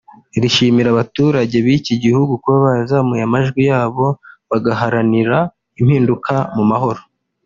rishimira abaturage b’iki gihugu kuba barazamuye amajwi yabo bagaharanira impinduka mu mahoro